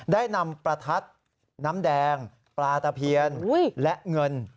ได้นำประทัดน้ำแดงปลาตะเพียนและเงิน